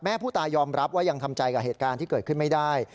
ผู้ตายยอมรับว่ายังทำใจกับเหตุการณ์ที่เกิดขึ้นไม่ได้